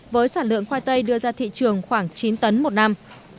với sản lượng khoai tây đưa ra thị trường khoảng chín tấn một năm